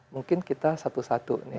mungkin kita satu satu nih